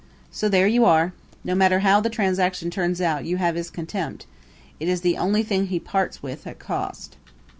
So there you are. No matter how the transaction turns out you have his contempt; it is the only thing he parts with at cost.